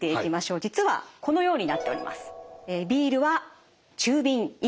実はこのようになっております。